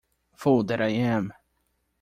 Fool that I am!